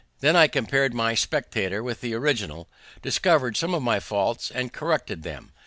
Then I compared my Spectator with the original, discovered some of my faults, and corrected them.